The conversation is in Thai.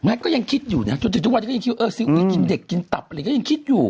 ก็ยังคิดอยู่นะจนถึงทุกวันนี้ก็ยังคิดว่าเออซีอุ๊ยกินเด็กกินตับอะไรก็ยังคิดอยู่